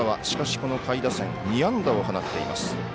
しかし、この下位打線２安打を放っています。